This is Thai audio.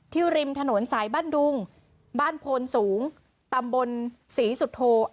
ที่ริมถนนสายบ้านดุงบ้านโพลสูงตำบนศรีสุทธาลัย